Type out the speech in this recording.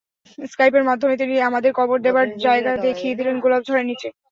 স্কাইপের মাধ্যমে তিনি আমাদের কবর দেবার জায়গা দেখিয়ে দিলেন—গোলাপ ঝাড়ের নিচে।